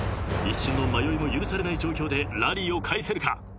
［一瞬の迷いも許されない状況でラリーを返せるか］